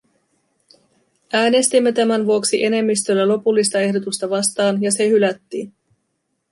Äänestimme tämän vuoksi enemmistöllä lopullista ehdotusta vastaan, ja se hylättiin.